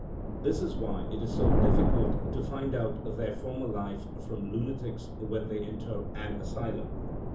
This is why it is so difficult to find out their former life from lunatics when they enter an asylum.